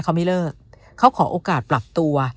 เขาไม่เลิกเขาขอโอกาสปรับตัว